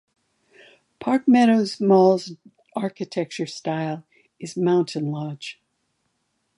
Park Meadows Mall's architecture style is mountain lodge.